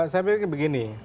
saya pikir begini